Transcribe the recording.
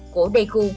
của đây khu